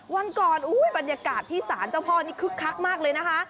วันก่อนบรรยากาศที่ศาลเจ้าพ่อนี่คึกคักมากเลยนะคะ